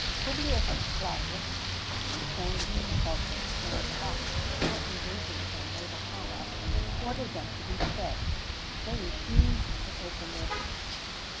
[XVII 28] Publius Claudius, constrained to consult these strange prophets before engaging in a naval combat, ordered them to be fed; they refused to open their beaks.